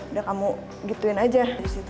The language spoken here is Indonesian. udah kamu gituin aja